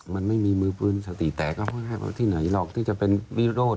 มันไม่มีมือปืนสติแตกหรอกหรอกที่จะเป็นวิโรธ